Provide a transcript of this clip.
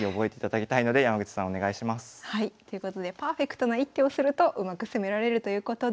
ということでパーフェクトな一手をするとうまく攻められるということです。